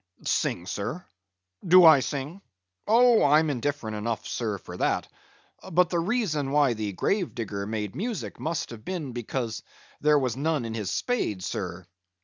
"Sing, sir? Do I sing? Oh, I'm indifferent enough, sir, for that; but the reason why the grave digger made music must have been because there was none in his spade, sir.